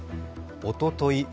おととい